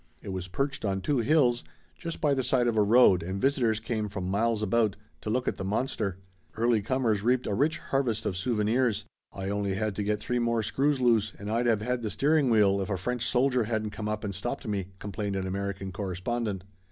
It was perched on two hills just by the side of a road and visitors came from miles about to look at the monster. Early comers reaped a rich harvest of souvenirs. "I only had to get three more screws loose and I'd have had the steering wheel if a French soldier hadn't come up and stopped me," complained an American correspondent.